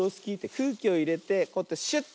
くうきをいれてこうやってシュッ。